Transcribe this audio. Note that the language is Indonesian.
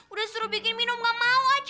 udah suruh bikin minum gak mau aja